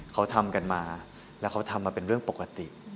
เขาทำกันมาแล้วเขาทำมาเป็นเรื่องปกติ